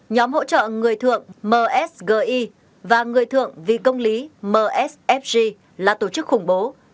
nhóm hỗ trợ người thượng msgi và người thượng vì công lý msfg là tổ chức khủng bố